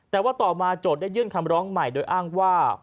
แต่ว่าต่อมาโจทย์ได้ยื่นคำร้องใหม่โดยอ้างว่า